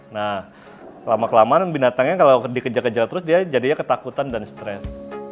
nah lama kelamaan binatangnya kalau dikejar kejar terus dia jadinya ketakutan dan stres